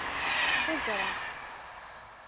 Qujjṛeɣ.